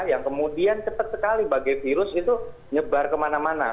yang kemudian cepat sekali bagai virus itu nyebar kemana mana